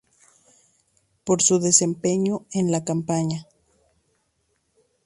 Por su desempeño en la campaña.